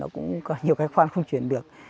cái khoan không chuyển được